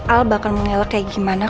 al bahkan mengelak kayak gimana